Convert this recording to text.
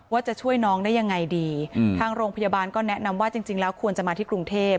ว่าจะช่วยน้องได้ยังไงดีทางโรงพยาบาลก็แนะนำว่าจริงแล้วควรจะมาที่กรุงเทพ